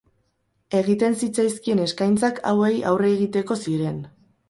Egiten zitzaizkien eskaintzak hauei aurre egiteko ziren.